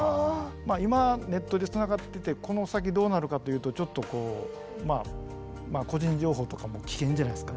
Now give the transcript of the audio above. まあ今ネットで繋がっててこの先どうなるかというとちょっとこうまあ個人情報とかも危険じゃないですか。